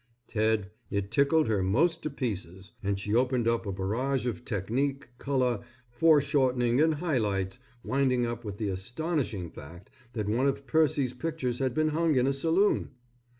Ted it tickled her most to pieces, and she opened up a barrage of technique, color, fore shortening, and high lights, winding up with the astonishing fact that one of Percy's pictures had been hung in a saloon.